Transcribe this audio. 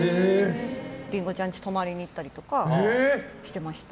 林檎ちゃんち泊まりに行ったりとかしてました。